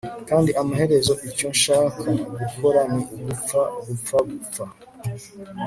kandi amaherezo icyo nshaka gukora ni ugupfa, gupfa, gupfa